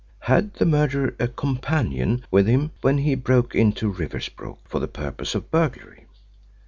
Had the murderer a companion with him when he broke into Riversbrook for the purpose of burglary?